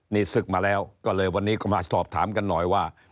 นี่ศึกมาแล้วก็เลยวันนี้ก็มาสอบถามกันหน่อยว่า